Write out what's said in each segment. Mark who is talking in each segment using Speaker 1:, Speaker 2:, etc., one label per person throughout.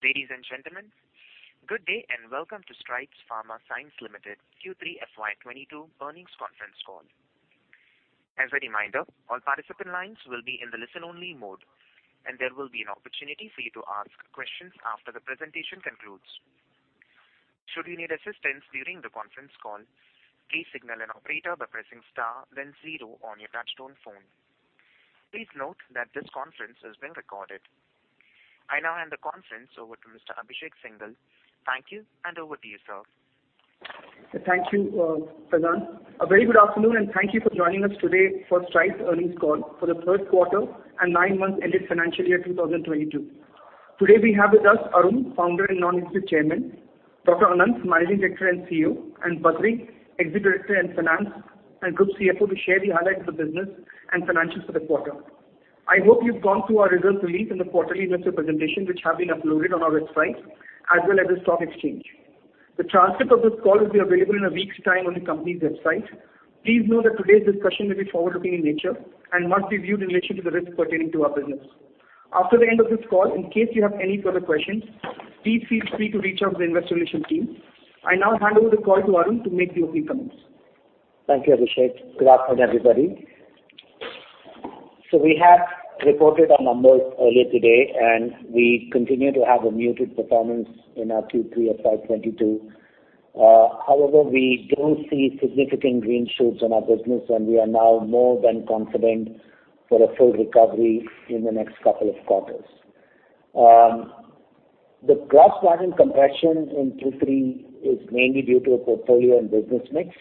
Speaker 1: Ladies and gentlemen, good day, and welcome to Strides Pharma Science Limited Q3 FY 2022 earnings conference call. As a reminder, all participant lines will be in the listen-only mode, and there will be an opportunity for you to ask questions after the presentation concludes. Should you need assistance during the conference call, please signal an operator by pressing star then zero on your touchtone phone. Please note that this conference is being recorded. I now hand the conference over to Mr. Abhishek Singhal. Thank you, and over to you, sir.
Speaker 2: Thank you, Pradhan. A very good afternoon, and thank you for joining us today for Strides earnings call for the third quarter and nine months ended financial year 2022. Today we have with us Arun, founder and non-executive chairman, Dr. Anant, Managing Director and CEO, and Badree, Executive Director - Finance and Group CFO to share the highlights of the business and financials for the quarter. I hope you've gone through our results release and the quarterly investor presentation, which have been uploaded on our website as well as the stock exchange. The transcript of this call will be available in a week's time on the company's website. Please note that today's discussion will be forward-looking in nature and must be viewed in relation to the risks pertaining to our business. After the end of this call, in case you have any further questions, please feel free to reach out to the Investor Relations team. I now hand over the call to Arun to make the opening comments.
Speaker 3: Thank you, Abhishek. Good afternoon, everybody. We have reported our numbers earlier today, and we continue to have a muted performance in our Q3 of FY 2022. However, we do see significant green shoots in our business, and we are now more than confident for a full recovery in the next couple of quarters. The gross margin compression in Q3 is mainly due to a portfolio and business mix,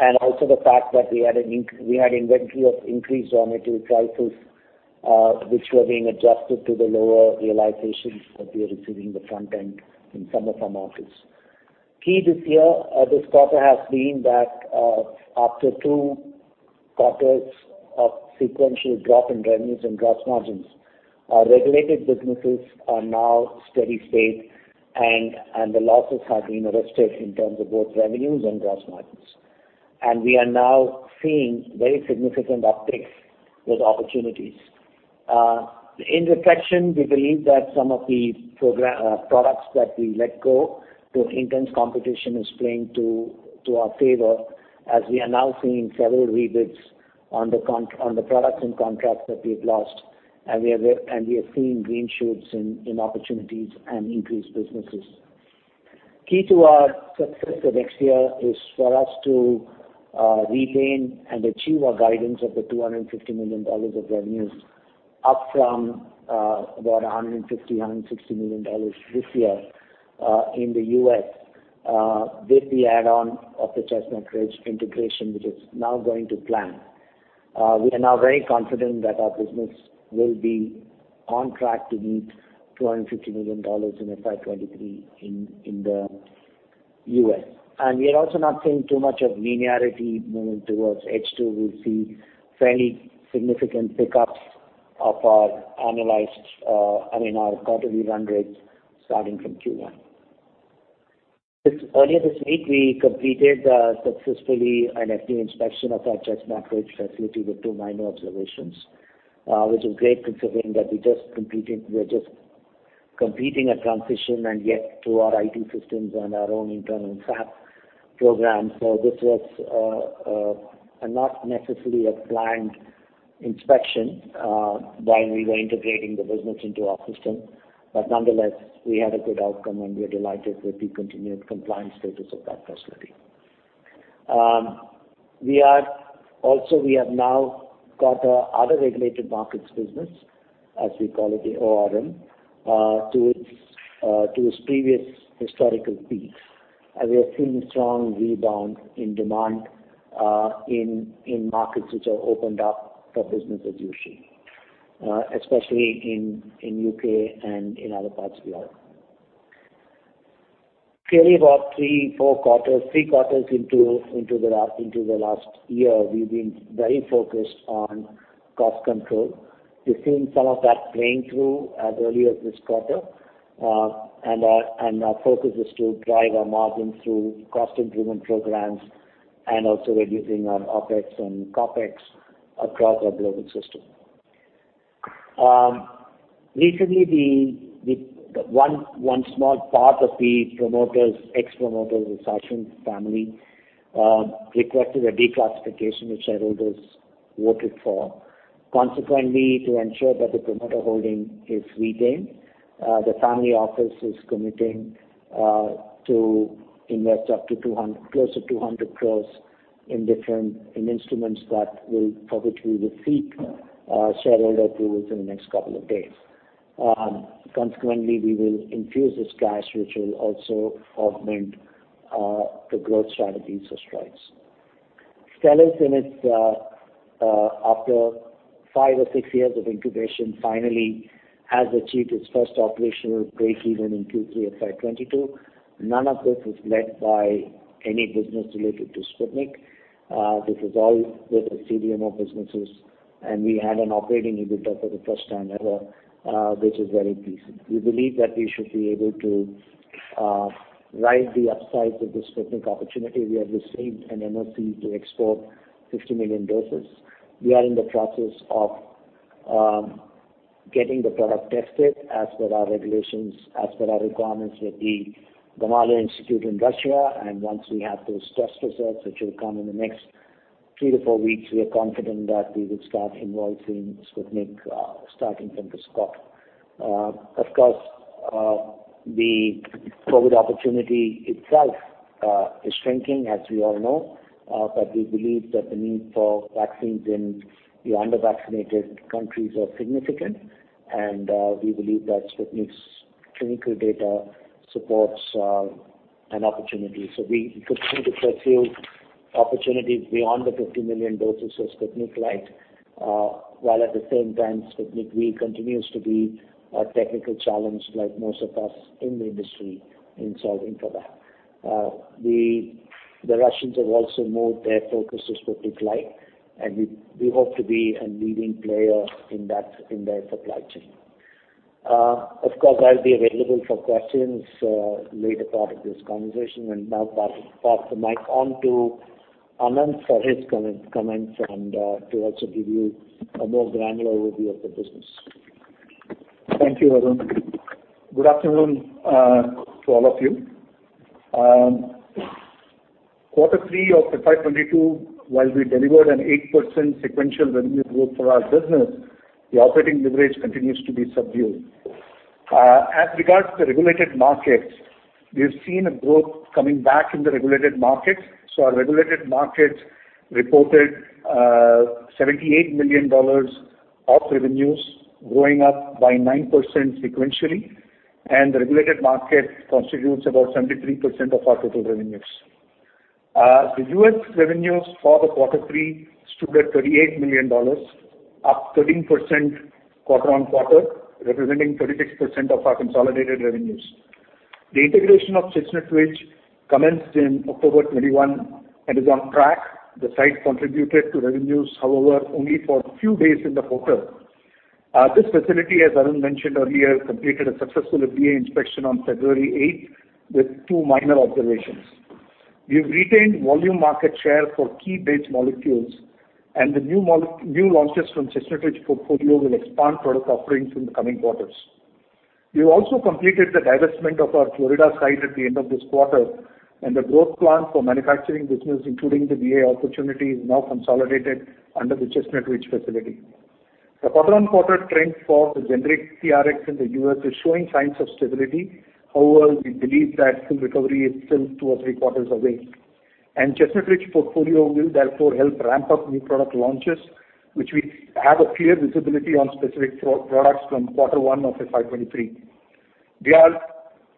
Speaker 3: and also the fact that we had inventory of increased raw material prices, which were being adjusted to the lower realizations that we are receiving the front end in some of our markets. key this year, this quarter has been that, after two quarters of sequential drop in revenues and gross margins, our regulated businesses are now steady state and the losses have been arrested in terms of both revenues and gross margins. We are now seeing very significant upticks with opportunities. In reflection, we believe that some of the products that we let go due to intense competition is playing to our favor as we are now seeing several rebids on the products and contracts that we had lost. We are seeing green shoots in opportunities and increased businesses. key to our success the next year is for us to retain and achieve our guidance of $250 million of revenues up from about $150-$160 million this year in the U.S. with the add-on of the Chestnut Ridge integration, which is now going to plan. We are now very confident that our business will be on track to meet $250 million in FY 2023 in the U.S. We are also not seeing too much of linearity moving towards H2. We'll see fairly significant pick-ups of our annualized, I mean, our quarterly run rate starting from Q1. Just earlier this week, we completed successfully an FDA inspection of our Chestnut Ridge facility with two minor observations, which is great considering that we are just completing a transition and yet through our IT systems and our own internal SAP program. This was a not necessarily planned inspection while we were integrating the business into our system. But nonetheless, we had a good outcome, and we're delighted with the continued compliance status of that facility. We have now got our Other Regulated Markets business, as we call it, the ORM, to its previous historical peaks, as we are seeing strong rebound in demand in markets which have opened up for business as usual, especially in U.K. and in other parts of Europe. Clearly, about three or four quarters into the last year, we've been very focused on cost control. We've seen some of that playing through earlier this quarter. Our focus is to drive our margins through cost improvement programs and also reducing our OpEx and CapEx across our global system. Recently, one small part of the promoters, ex-promoters, the Sachin family requested a declassification which shareholders voted for. Consequently, to ensure that the promoter holding is retained, the family office is committing to invest close to 200 crore in different instruments for which we will seek shareholder approvals in the next couple of days. Consequently, we will infuse this cash, which will also augment the growth strategies for Strides. Stelis after five or six years of incubation finally has achieved its first operational breakeven in Q3 of FY 2022. None of this was led by any business related to Sputnik. This is all with the CDMO businesses, and we had an operating EBITDA for the first time ever, which is very pleasing. We believe that we should be able to ride the upside of the Sputnik opportunity, we have received an NOC to export 50 million doses. We are in the process of getting the product tested as per our regulations, as per our requirements with the Gamaleya Institute in Russia. Once we have those test results, which will come in the next three to four weeks, we are confident that we will start invoicing Sputnik starting from this quarter. Of course, the COVID opportunity itself is shrinking as we all know. We believe that the need for vaccines in the under-vaccinated countries are significant, and we believe that Sputnik's clinical data supports an opportunity. We could see the potential opportunities beyond the 50 million doses of Sputnik Light, while at the same time, Sputnik V continues to be a technical challenge, like most of us in the industry in solving for that. The Russians have also moved their focus to Sputnik Light, and we hope to be a leading player in that, in their supply chain. Of course, I'll be available for questions later part of this conversation. I'll now pass the mic on to Anant for his comments and to also give you a more granular overview of the business.
Speaker 4: Thank you, Arun. Good afternoon to all of you. Quarter three of FY 2022, while we delivered an 8% sequential revenue growth for our business, the operating leverage continues to be subdued. As regards to the regulated markets, we've seen a growth coming back in the regulated markets. Our regulated markets reported $78 million of revenues growing up by 9% sequentially, and the regulated market constitutes about 73% of our total revenues. The U.S. revenues for the quarter three stood at $38 million, up 13% quarter-on-quarter, representing 36% of our consolidated revenues. The integration of Chestnut Ridge commenced in October 2021 and is on track. The site contributed to revenues, however, only for a few days in the quarter. This facility, as Arun mentioned earlier, completed a successful FDA inspection on February eighth, with two minor observations. We've retained volume market share for key base molecules, and the new launches from Chestnut Ridge portfolio will expand product offerings in the coming quarters. We also completed the divestment of our Florida site at the end of this quarter, and the growth plan for manufacturing business, including the VA opportunity, is now consolidated under the Chestnut Ridge facility. The quarter-on-quarter trend for the generic Rx in the U.S. is showing signs of stability. However, we believe that full recovery is still two or three quarters away. Chestnut Ridge portfolio will therefore help ramp up new product launches, which we have a clear visibility on specific products from quarter one of FY 2023. We are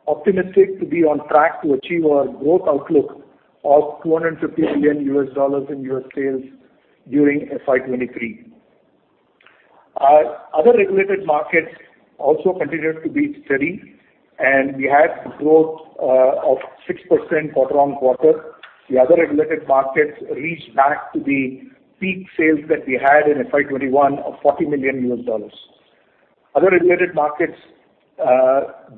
Speaker 4: optimistic to be on track to achieve our growth outlook of $250 million in U.S. sales during FY 2023. Our other regulated markets also continued to be steady, and we had growth of 6% quarter-on-quarter. The other regulated markets reached back to the peak sales that we had in FY 2021 of $40 million. Other regulated markets,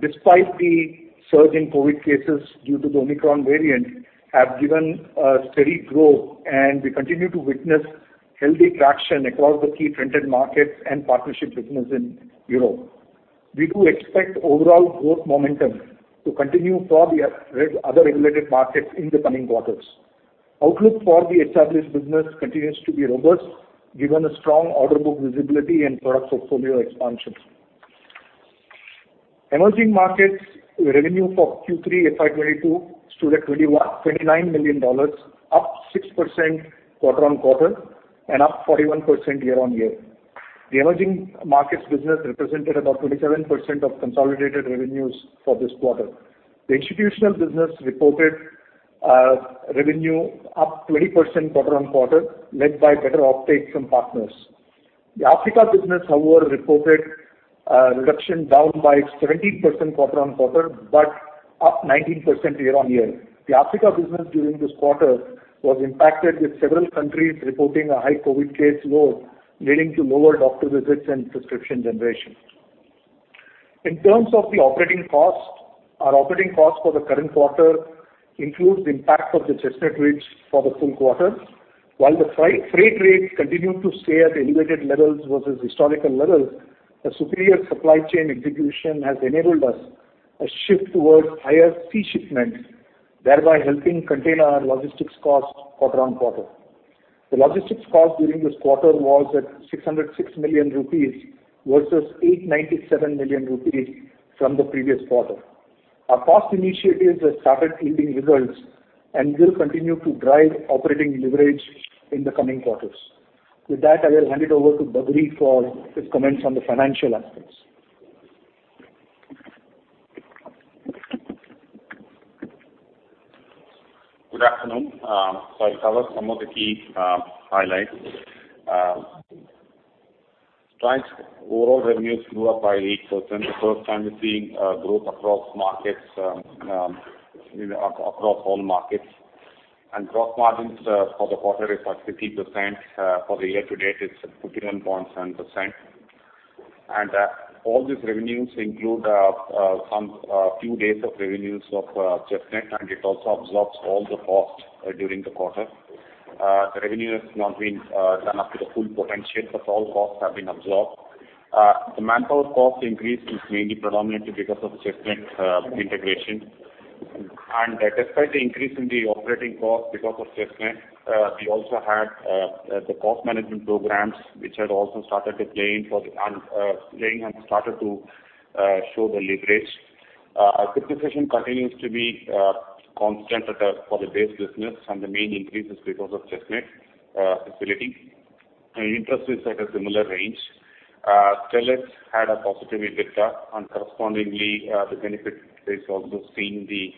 Speaker 4: despite the surge in COVID cases due to the Omicron variant, have given a steady growth, and we continue to witness healthy traction across the key trended markets and partnership business in Europe. We do expect overall growth momentum to continue for the other regulated markets in the coming quarters. Outlook for the established business continues to be robust given the strong order book visibility and product portfolio expansions. Emerging markets revenue for Q3 FY 2022 stood at $29 million, up 6% quarter-on-quarter and up 41% year-on-year. The emerging markets business represented about 27% of consolidated revenues for this quarter. The institutional business reported revenue up 20% quarter-on-quarter, led by better uptake from partners. The Africa business, however, reported a reduction down by 17% quarter-on-quarter, but up 19% year-on-year. The Africa business during this quarter was impacted with several countries reporting a high COVID caseload, leading to lower doctor visits and prescription generation. In terms of the operating cost, our operating cost for the current quarter includes the impact of the Chestnut Ridge for the full quarter. While the freight rate continued to stay at elevated levels versus historical levels, a superior supply chain execution has enabled us to shift towards higher sea shipments, thereby helping container logistics cost quarter-on-quarter. The logistics cost during this quarter was at 606 million rupees versus 897 million rupees from the previous quarter. Our cost initiatives have started yielding results and will continue to drive operating leverage in the coming quarters. With that, I will hand it over to Badri for his comments on the financial aspects.
Speaker 5: Good afternoon. So I'll cover some of the key highlights. Company's overall revenues grew by 8%. The first time we're seeing growth across markets, you know, across all markets. Gross margins for the quarter is at 50%. For the year to date it's at 51.7%. All these revenues include some few days of revenues of Chestnut Ridge, and it also absorbs all the costs during the quarter. The revenue has not been done up to the full potential, but all costs have been absorbed. The manpower cost increase is mainly predominantly because of Chestnut Ridge integration. Despite the increase in the operating cost because of Chestnut Ridge, we also had the cost management programs which had also started to play in, and started to show the leverage. Acquisition continues to be constant for the base business and the main increase is because of Chestnut Ridge facility. Interest is at a similar range. Stelis had a positive EBITDA and correspondingly, the benefit is also seeing the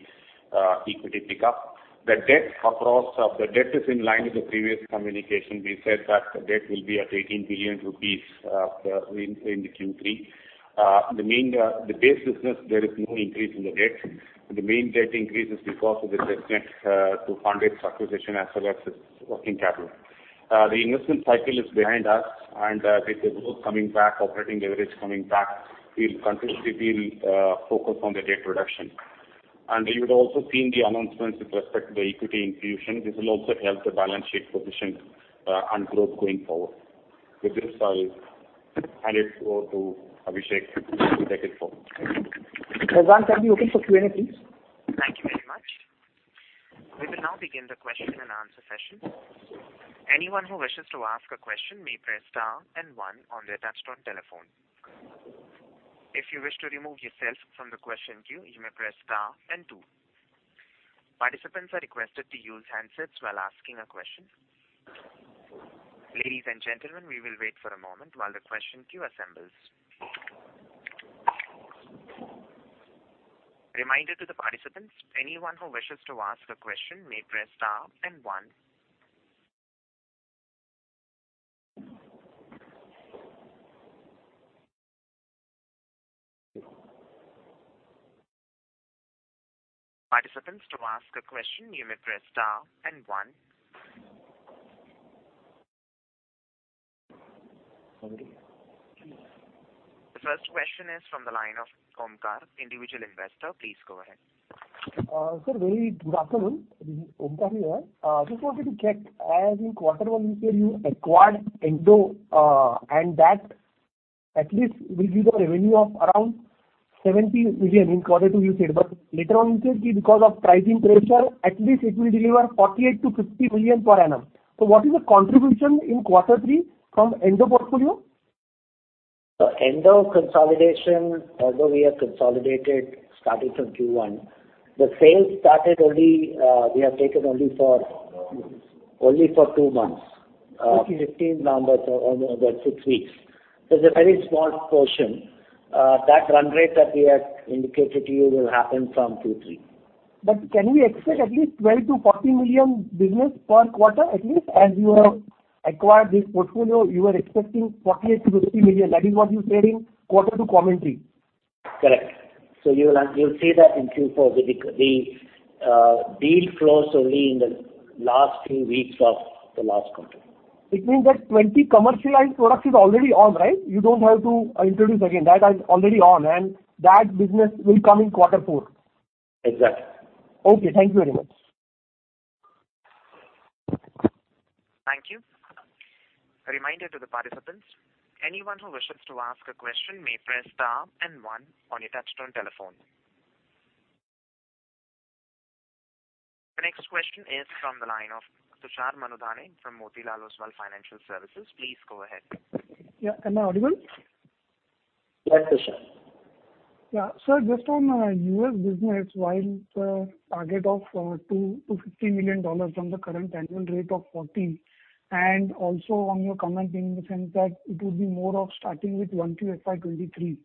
Speaker 5: equity pick up. The debt is in line with the previous communication. We said that the debt will be at 18 billion rupees in Q3. The base business there is no increase in the debt. The main debt increase is because of the Chestnut Ridge to fund its acquisition as well as its working capital. The investment cycle is behind us and with the growth coming back, operating leverage coming back, we'll continuously be focused on the debt reduction. You would also seen the announcements with respect to the equity infusion. This will also help the balance sheet position and growth going forward. With this I'll hand it over to Abhishek to take it forward.
Speaker 2: Arun, can we open for Q&A, please?
Speaker 1: Thank you very much. We will now begin the question-and-answer session. Anyone who wishes to ask a question may press star and one on their touchtone telephone. If you wish to remove yourself from the question queue, you may press star and two. Participants are requested to use handsets while asking a question. Ladies and gentlemen, we will wait for a moment while the question queue assembles. Reminder to the participants, anyone who wishes to ask a question may press star and one. Participants, to ask a question you may press star and one.
Speaker 6: Okay.
Speaker 1: The first question is from the line of Omkar, individual investor. Please go ahead.
Speaker 6: Sir, very good afternoon. This is Omkar here. Just wanted to check, as in quarter one you said you acquired Endo, and that at least will give a revenue of around $70 million in quarter two you said, but later on you said because of pricing pressure, at least it will deliver $48 million-$50 million per annum. What is the contribution in quarter three from Endo portfolio?
Speaker 5: Endo consolidation, although we have consolidated starting from Q1, the sales started only. We have taken only for two months.
Speaker 6: Okay.
Speaker 5: 15 numbers or over six weeks. It's a very small portion. That run rate that we had indicated to you will happen from Q3.
Speaker 6: Can we expect at least 12 million-14 million business per quarter at least? As you have acquired this portfolio, you were expecting 48 million-50 million. That is what you said in quarter two commentary.
Speaker 5: Correct. You will, you'll see that in Q4. The deal closed only in the last few weeks of the last quarter.
Speaker 6: It means that 20 commercialized products is already on, right? You don't have to introduce again. That is already on, and that business will come in quarter four.
Speaker 5: Exactly.
Speaker 6: Okay. Thank you very much.
Speaker 1: Thank you. A reminder to the participants, anyone who wishes to ask a question may press star and one on your touch-tone telephone. The next question is from the line of Tushar Manudhane from Motilal Oswal Financial Services. Please go ahead.
Speaker 7: Yeah. Am I audible?
Speaker 5: Yes, Tushar.
Speaker 7: Sir, just on U.S. business, while the target of $2-$50 million from the current annual rate of $14 million, and also on your comment in the sense that it would be more of starting with FY 2023.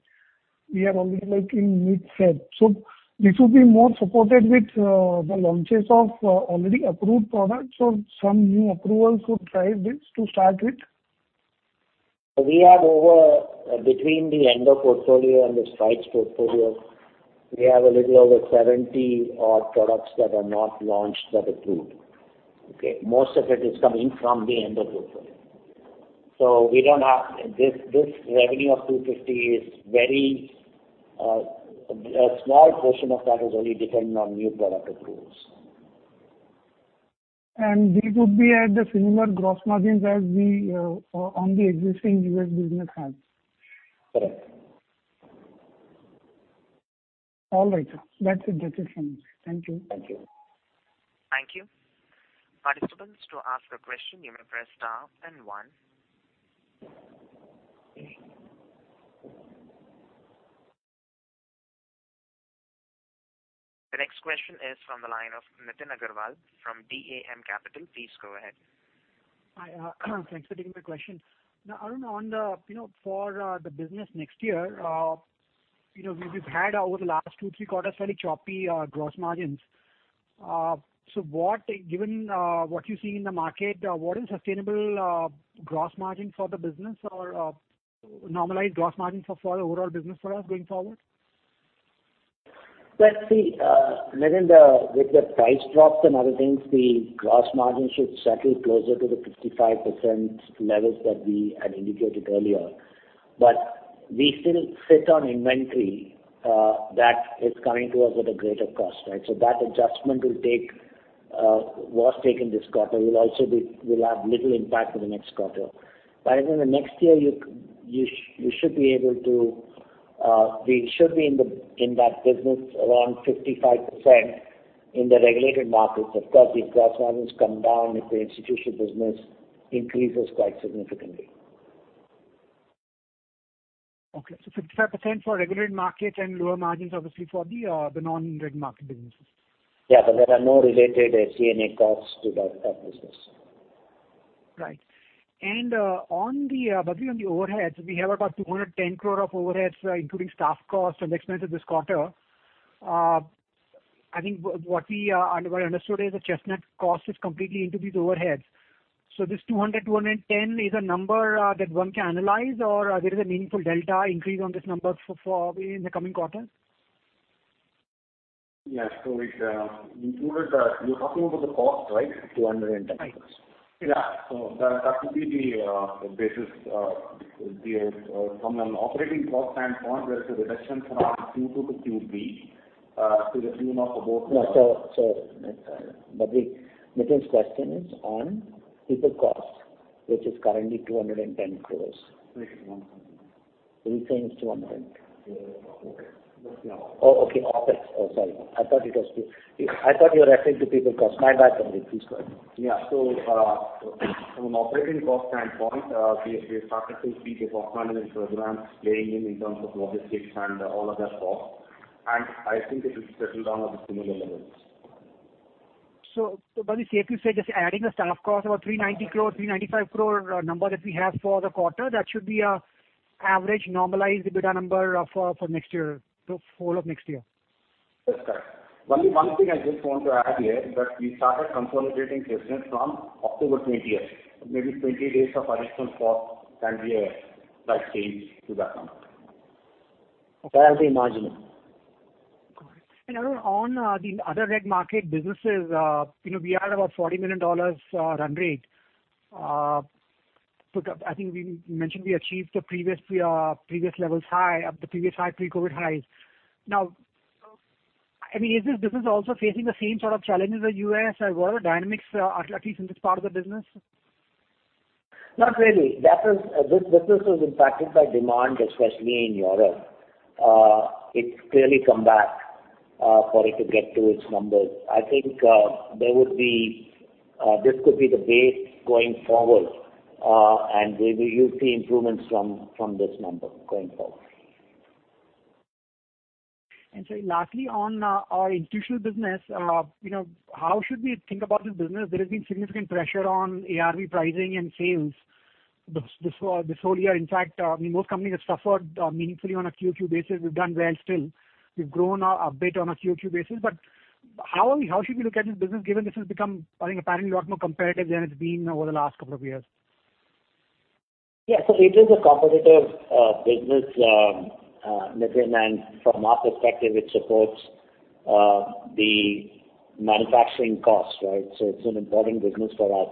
Speaker 7: We are only like in mid-February. So this would be more supported with the launches of already approved products or some new approvals to drive this to start with?
Speaker 5: We have, between the Endo portfolio and the Strides portfolio, a little over 70-odd products that are not launched but approved. Most of it is coming from the Endo portfolio. We don't have this revenue of $250 million. It is very a small portion of that only dependent on new product approvals.
Speaker 7: These would be at the similar gross margins as the on the existing U.S. business has?
Speaker 5: Correct.
Speaker 7: All right, sir. That's it. That's it from me. Thank you.
Speaker 5: Thank you.
Speaker 1: Thank you. Participants, to ask a question, you may press star and one. The next question is from the line of Nitin Agarwal from DAM Capital. Please go ahead.
Speaker 8: Hi, thanks for taking my question. Now, Arun, on the, you know, for the business next year, you know, we've had over the last two, three quarters very choppy gross margins. What, given what you see in the market, what is sustainable gross margin for the business or normalized gross margin for the overall business for us going forward?
Speaker 3: Well, with the price drops and other things, the gross margin should settle closer to the 55% levels that we had indicated earlier. We still sit on inventory that is coming to us at a greater cost, right? That adjustment was taken this quarter and will have little impact on the next quarter. I think the next year you should be able to, we should be in that business around 55% in the regulated markets. Of course, these gross margins come down if the institutional business increases quite significantly.
Speaker 8: 55% for regulated market and lower margins, obviously, for the non-reg market businesses.
Speaker 3: Yeah, there are no related CNA costs to that business.
Speaker 8: Right. On the Badree, on the overheads, we have about 210 crore of overheads, including staff costs and expenses this quarter. I think what we understood is the Chestnut cost is completely into these overheads. This 210 is a number that one can analyze or there is a meaningful delta increase on this number for in the coming quarters?
Speaker 5: Yes. You're talking about the cost, right? INR 210.
Speaker 8: Right.
Speaker 5: That would be the basis from an operating cost standpoint. There is a reduction from Q2-Q3 to the tune of about-
Speaker 3: No. Badree, Nitin's question is on people cost, which is currently 210 crores.
Speaker 5: Which is 100.
Speaker 3: He's saying it's 200.
Speaker 5: Yeah. Okay.
Speaker 3: Oh, okay. OpEx. Oh, sorry. I thought it was two. I thought you were referring to people cost. My bad. Please go ahead.
Speaker 5: Yeah. From an operating cost standpoint, we have started to see the cost savings programs playing in terms of logistics and all other costs. I think it will settle down at the similar levels.
Speaker 8: Badree, safe to say just adding the staff cost, about 390 crore, 395 crore number that we have for the quarter, that should be an average normalized EBITDA number for next year, so full-year next year?
Speaker 5: That's correct. Only one thing I just want to add here that we started consolidating business from October 12th. Maybe 20 days of additional cost can be, that change to that number.
Speaker 8: Okay.
Speaker 3: That will be marginal.
Speaker 8: Got it. Arun, on the other regulated market businesses, you know, we are about $40 million run rate. But I think we mentioned we achieved the previous high pre-COVID highs. Now, I mean, is this business also facing the same sort of challenges as U.S. or were the dynamics at least in this part of the business?
Speaker 3: Not really. That is, this business was impacted by demand, especially in Europe. It's clearly come back for it to get to its numbers. I think, there would be, this could be the base going forward, and we will see improvements from this number going forward.
Speaker 8: Sorry, lastly, on our institutional business, you know, how should we think about this business? There has been significant pressure on ARV pricing and sales this whole year. In fact, I mean, most companies have suffered meaningfully on a Q-O-Q basis. We've done well still. We've grown a bit on a Q-O-Q basis. But how should we look at this business given this has become, I think, apparently a lot more competitive than it's been over the last couple of years?
Speaker 3: Yeah. It is a competitive business, Nitin, and from our perspective, it supports the manufacturing cost, right? It's an important business for us.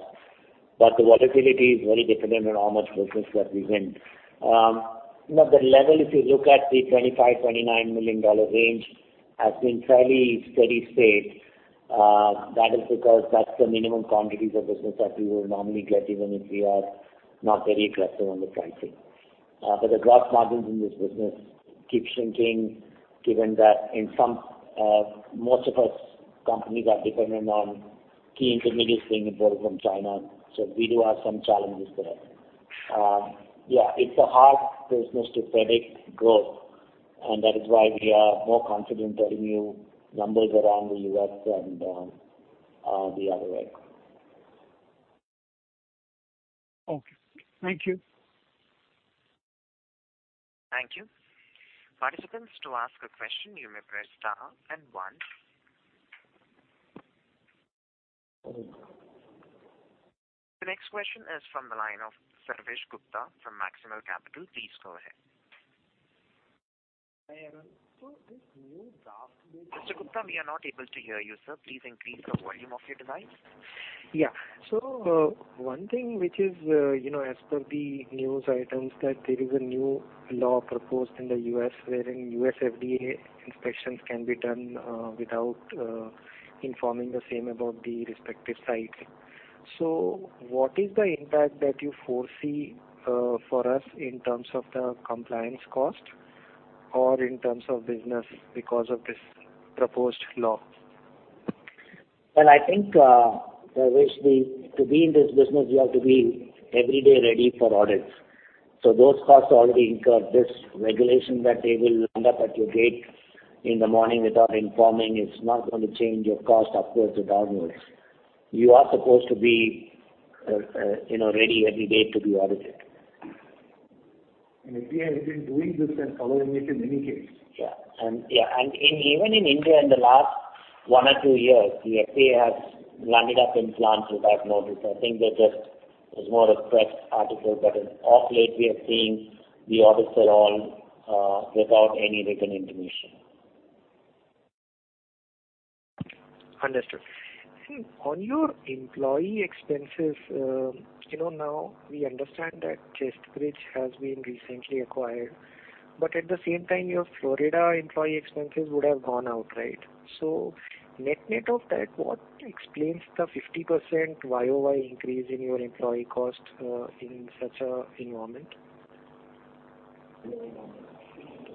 Speaker 3: The volatility is very dependent on how much business that we win. You know, the level, if you look at the $25-$29 million range, has been fairly steady state. That is because that's the minimum quantities of business that we will normally get even if we are not very aggressive on the pricing. But the gross margins in this business keep shrinking given that in some, most of U.S. companies are dependent on key intermediates being imported from China. We do have some challenges there. Yeah, it's a hard business to predict growth, and that is why we are more confident telling you numbers around the U.S. and the other way.
Speaker 8: Okay. Thank you.
Speaker 1: Thank you. The next question is from the line of Sarvesh Gupta from Maximal Capital. Please go ahead.
Speaker 9: Hi, Arun. This new draft.
Speaker 1: Mr. Gupta, we are not able to hear you, sir. Please increase the volume of your device.
Speaker 9: Yeah. One thing which is, you know, as per the news items, that there is a new law proposed in the U.S. wherein U.S. FDA inspections can be done, without informing the same about the respective sites. What is the impact that you foresee, for us in terms of the compliance cost or in terms of business because of this proposed law?
Speaker 3: Well, I think, Sarvesh, to be in this business, you have to be every day ready for audits. So those costs are already incurred. This regulation that they will end up at your gate in the morning without informing is not gonna change your cost upwards or downwards. You are supposed to be, you know, ready every day to be audited.
Speaker 5: We have been doing this and following it in many cases.
Speaker 3: Even in India, in the last one or two years, the FDA has landed up in plants without notice. I think that just is more a press article. As of late, we are seeing the audits are all without any written intimation.
Speaker 9: Understood. On your employee expenses, you know, now we understand that Chestnut Ridge has been recently acquired, but at the same time, your Florida employee expenses would have gone out, right? Net-net of that, what explains the 50% YOY increase in your employee cost in such a environment?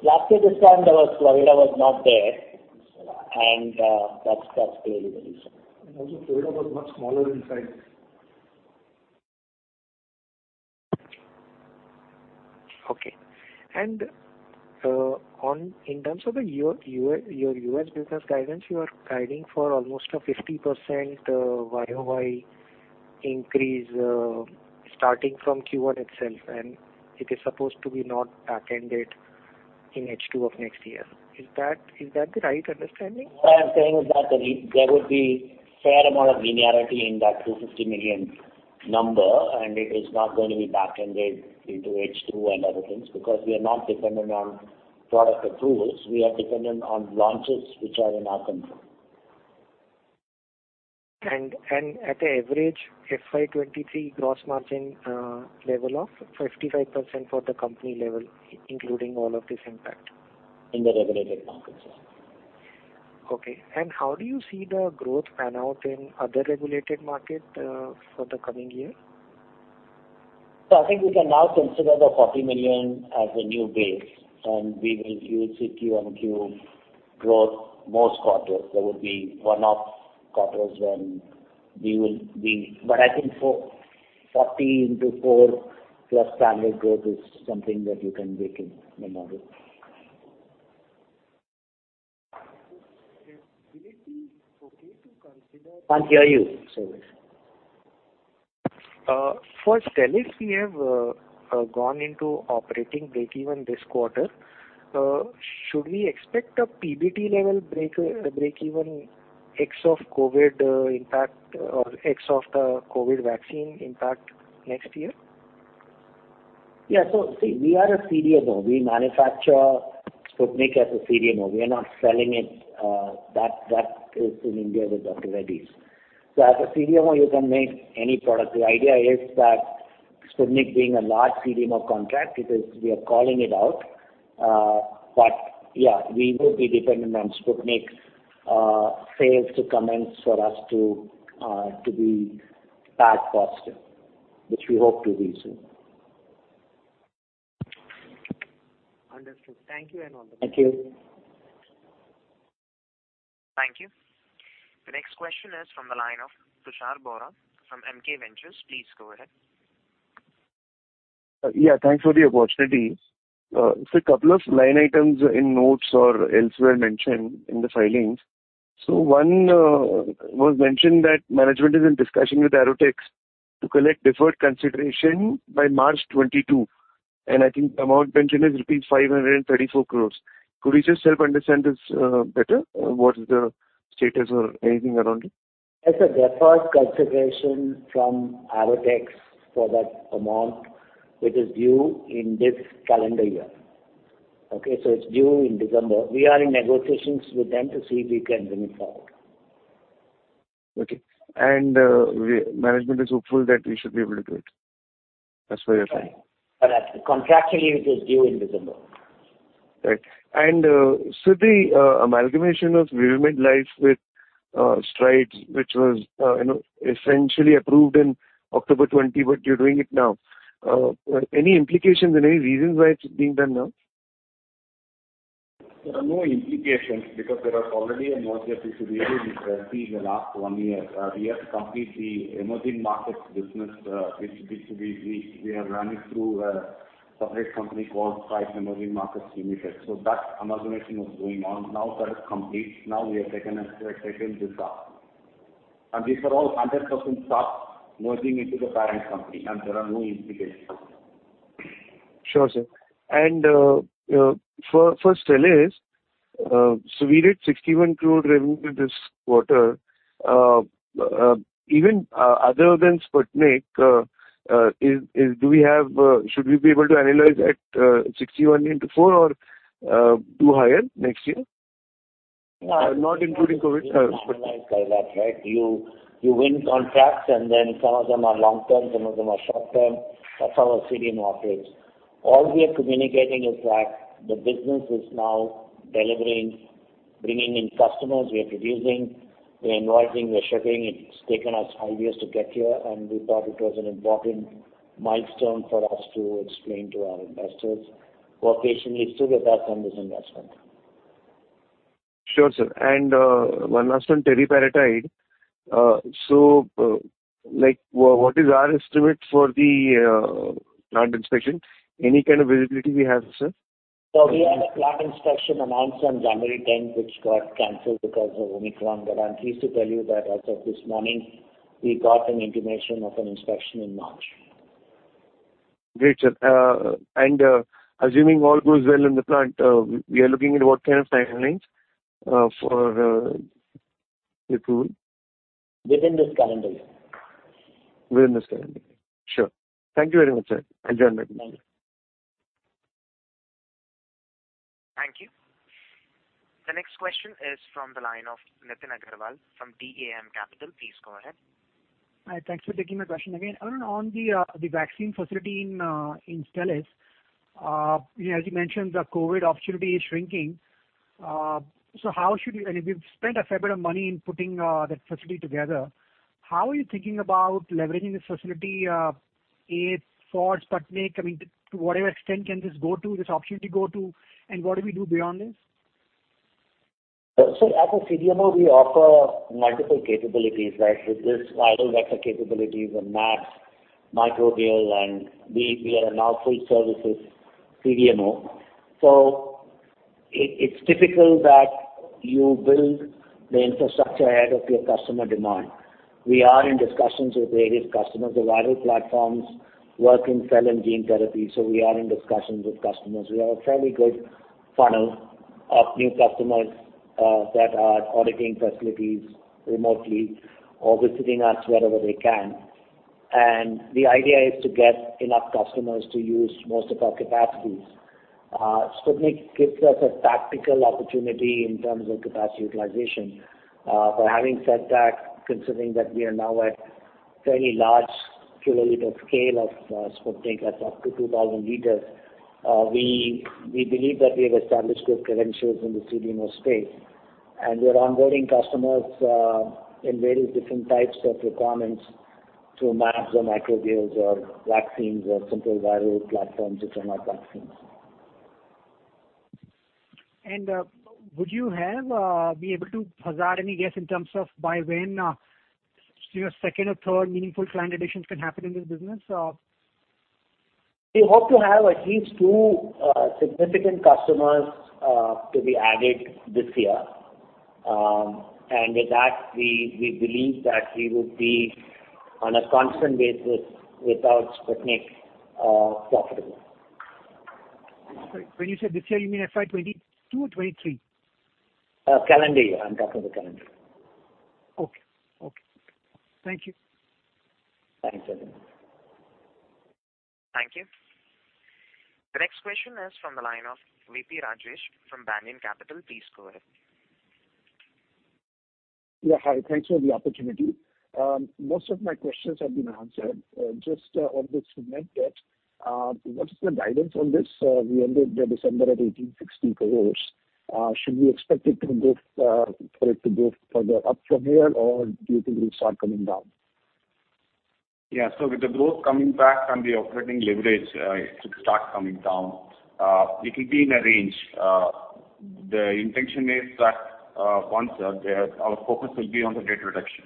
Speaker 3: Last year, this time our Florida was not there. That's clearly the reason.
Speaker 5: Florida was much smaller in size.
Speaker 9: Okay. In terms of your U.S. business guidance, you are guiding for almost a 50% YOY increase, starting from Q1 itself, and it is supposed to be not backended in H2 of next year. Is that the right understanding?
Speaker 3: What I'm saying is that there will be fair amount of linearity in that $250 million number, and it is not going to be backended into H2 and other things because we are not dependent on product approvals. We are dependent on launches which are in our control.
Speaker 9: At the average FY 2023 gross margin level of 55% for the company level, including all of this impact.
Speaker 3: In the regulated markets, yeah.
Speaker 9: Okay. How do you see the growth pan out in other regulated market, for the coming year?
Speaker 3: I think we can now consider the 40 million as a new base, and we will use it Q-O-Q growth most quarters. I think for 40 into 4%+ standard growth is something that you can bake in the model.
Speaker 5: Is it okay to consider?
Speaker 3: Can't hear you, sorry.
Speaker 9: For Stelis we have gone into operating break even this quarter. Should we expect a PBT level break even ex of COVID impact or ex of the COVID vaccine impact next year?
Speaker 3: Yeah. See, we are a CDMO. We manufacture Sputnik as a CDMO. We are not selling it, that is in India with Dr. Reddy's. As a CDMO you can make any product. The idea is that Sputnik being a large CDMO contract, we are calling it out. Yeah, we will be dependent on Sputnik sales to commence for us to be PAT positive, which we hope to be soon.
Speaker 9: Understood. Thank you and all the best.
Speaker 3: Thank you.
Speaker 1: Thank you. The next question is from the line of Tushar Bohra from MK Ventures. Please go ahead.
Speaker 10: Yeah, thanks for the opportunity. Just a couple of line items in notes or elsewhere mentioned in the filings. One was mentioned that management is in discussion with Arrotex to collect deferred consideration by March 2022, and I think the amount mentioned is rupees 534 crore. Could we just help understand this better? What is the status or anything around it?
Speaker 3: It's a deferred consideration from Arrotex for that amount, which is due in this calendar year. Okay? It's due in December. We are in negotiations with them to see if we can bring it forward.
Speaker 10: Okay. Management is hopeful that we should be able to do it. As per your-
Speaker 3: Correct. Contractually it is due in December.
Speaker 10: Right. The amalgamation of Vivimed Life with Strides, which was, you know, essentially approved in October 2020, but you're doing it now. Any implications and any reasons why it's being done now?
Speaker 5: There are no implications because there was already a merger which was really in progress in the last one year. We have to complete the emerging markets business, B2B. We are running through a separate company called Strides Emerging Markets Limited. That amalgamation was going on. Now that is complete. Now we have taken a step, taken this up. These are all 100% stock merging into the parent company, and there are no implications.
Speaker 10: Sure, sir. For Stelis, so we did 61 crore revenue this quarter. Even other than Sputnik, should we be able to annualize at 61 into four or do higher next year? Not including COVID, Sputnik.
Speaker 3: You win contracts and then some of them are long-term, some of them are short-term. That's how a CDMO operates. All we are communicating is that the business is now delivering, bringing in customers. We are producing, we are invoicing, we are shipping. It's taken us five years to get here and we thought it was an important milestone for us to explain to our investors who are patiently still with us on this investment.
Speaker 10: Sure, sir. One last one, teriparatide. Like, what is our estimate for the plant inspection? Any kind of visibility we have, sir?
Speaker 3: We had a plant inspection announced on January 10th, which got canceled because of Omicron. I'm pleased to tell you that as of this morning, we got an intimation of an inspection in March.
Speaker 10: Great, sir. Assuming all goes well in the plant, we are looking at what kind of timelines for approval?
Speaker 3: Within this calendar year.
Speaker 10: Within this calendar year. Sure. Thank you very much, sir. Joining the call.
Speaker 3: Thank you.
Speaker 1: Thank you. The next question is from the line of Nitin Agarwal from DAM Capital. Please go ahead.
Speaker 8: Hi, thanks for taking my question. Again, Arun, on the vaccine facility in Stelis, you know, as you mentioned, the COVID opportunity is shrinking. We've spent a fair bit of money in putting that facility together. How are you thinking about leveraging this facility, if Sputnik, I mean, to whatever extent can this go to, this opportunity go to, and what do we do beyond this?
Speaker 3: As a CDMO, we offer multiple capabilities, right? With this viral vector capabilities and maps, microbial, and we are now full services CDMO. It's typical that you build the infrastructure ahead of your customer demand. We are in discussions with various customers. The viral platforms work in cell and gene therapy, so we are in discussions with customers. We have a fairly good funnel of new customers that are auditing facilities remotely or visiting us wherever they can. The idea is to get enough customers to use most of our capacities. Sputnik gives us a tactical opportunity in terms of capacity utilization. Having said that, considering that we are now at fairly large kiloliter scale of Sputnik, that's up to 2,000l, we believe that we have established good credentials in the CDMO space, and we're onboarding customers in various different types of requirements through maps or microbials or vaccines or simple viral platforms which are not vaccines.
Speaker 8: Would you be able to hazard any guess in terms of by when, say your second or third meaningful client additions can happen in this business?
Speaker 3: We hope to have at least two significant customers to be added this year. With that, we believe that we would be on a constant basis without Sputnik profitable.
Speaker 8: Sorry. When you said this year, you mean FY 2022 or 2023?
Speaker 3: Calendar year. I'm talking of the calendar year.
Speaker 8: Okay. Okay. Thank you.
Speaker 3: Thanks, Nitin.
Speaker 1: Thank you. The next question is from the line of V.P. Rajesh from Banyan Capital. Please go ahead.
Speaker 11: Yeah, hi. Thanks for the opportunity. Most of my questions have been answered. Just on the Sputnik debt, what is the guidance on this? We ended the December at 1,860 crores. Should we expect for it to go further up from here, or do you think it will start coming down?
Speaker 5: Yeah. With the growth coming back and the operating leverage, it should start coming down. It will be in a range. The intention is that, once, our focus will be on the debt reduction.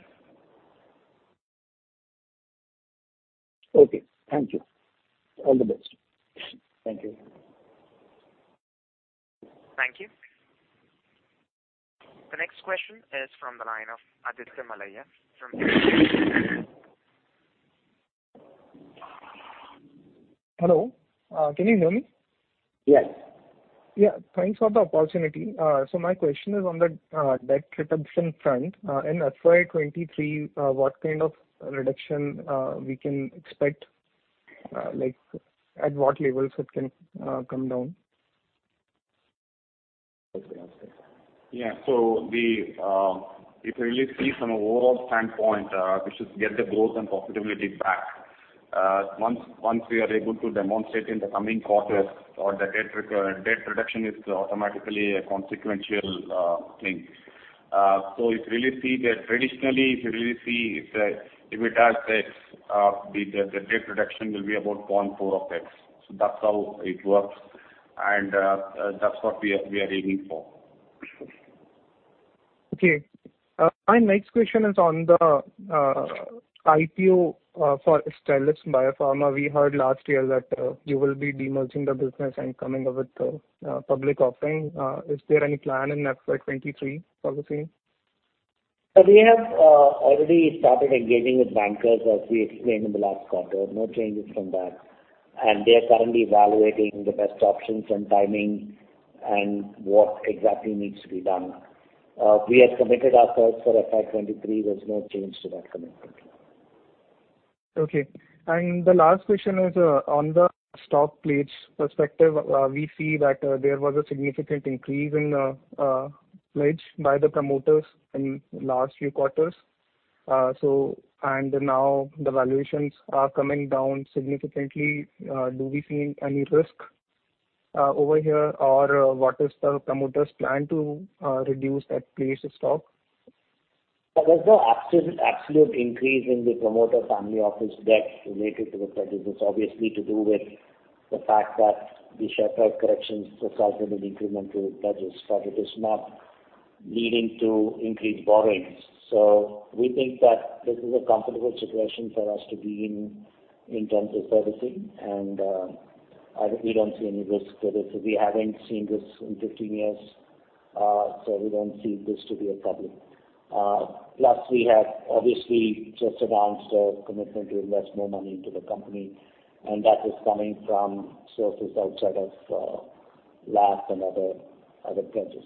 Speaker 11: Okay. Thank you. All the best.
Speaker 5: Thank you.
Speaker 1: Thank you. The next question is from the line of Aditya Malaiya from
Speaker 12: Hello, can you hear me?
Speaker 3: Yes.
Speaker 12: Yeah, thanks for the opportunity. My question is on the debt reduction front. In FY 2023, what kind of reduction we can expect, like at what levels it can come down?
Speaker 3: Yeah. We, if you really see from an overall standpoint, which is get the growth and profitability back, once we are able to demonstrate in the coming quarters, the debt reduction is automatically a consequential thing. If you really see, traditionally, if we add X, the debt reduction will be about 0.4 of X. That's how it works, and that's what we are aiming for.
Speaker 12: Okay. My next question is on the IPO for Stelis Biopharma. We heard last year that you will be demerging the business and coming up with a public offering. Is there any plan in FY 2023 for the same?
Speaker 3: We have already started engaging with bankers, as we explained in the last quarter. No changes from that. They are currently evaluating the best options and timing and what exactly needs to be done. We had committed ourselves for FY 2023. There's no change to that commitment.
Speaker 12: Okay. The last question is on the stock pledge perspective. We see that there was a significant increase in pledge by the promoters in last few quarters. Now the valuations are coming down significantly. Do we see any risk over here? What is the promoters' plan to reduce that pledge of stock?
Speaker 3: There's no absolute increase in the promoter family office debt related to the pledges. It's obviously to do with the fact that the share price corrections resulted in incremental pledges, but it is not leading to increased borrowings. We think that this is a comfortable situation for us to be in terms of servicing, and we don't see any risk to this. We haven't seen this in 15 years, so we don't see this to be a problem. Plus we have obviously just announced a commitment to invest more money into the company, and that is coming from sources outside of LAF and other pledges.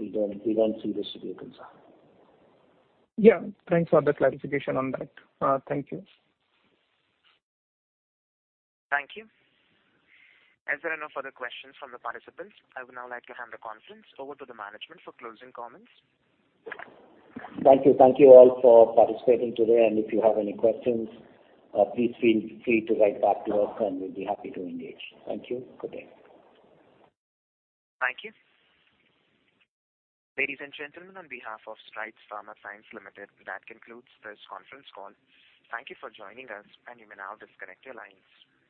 Speaker 3: We don't see this to be a concern.
Speaker 12: Yeah. Thanks for the clarification on that. Thank you.
Speaker 1: Thank you. As there are no further questions from the participants, I would now like to hand the conference over to the management for closing comments.
Speaker 3: Thank you. Thank you all for participating today, and if you have any questions, please feel free to write back to us, and we'll be happy to engage. Thank you. Good day.
Speaker 1: Thank you. Ladies and gentlemen, on behalf of Strides Pharma Science Limited, that concludes this conference call. Thank you for joining us, and you may now disconnect your lines.